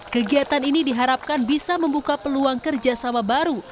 kegiatan ini diharapkan bisa membuka peluang kerjasama baru